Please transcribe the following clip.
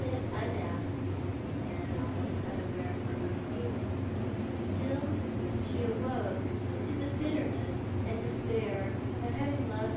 t unasked and almost unaware of her tniS^Z ^11 she awoke to the bitterness and despair of having ovecl .'